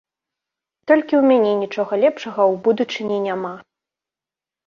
Толькі ў мяне нічога лепшага ў будучыні няма.